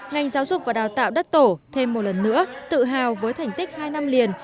ngành giáo dục và đào tạo đất tổ thêm một lần nữa tự hào với thành tích hai năm liền